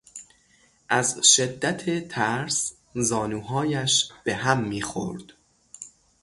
از شدت ترس زانوهایش به هم میخورد.